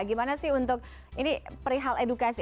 gimana sih untuk ini perihal edukasi